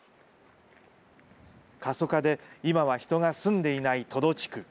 過疎化で今は人が住んでいない戸土地区。